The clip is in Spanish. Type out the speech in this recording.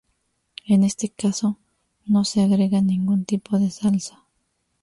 En este caso no se agrega ningún tipo de salsa.